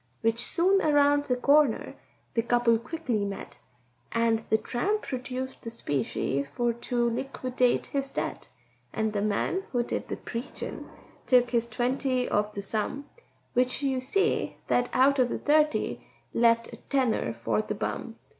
Which soon around the corner the couple quickly met, And the tramp produced the specie for to liquidate his debt; And the man who did the preachin' took his twenty of the sum, Which you see that out of thirty left a tenner for the bum.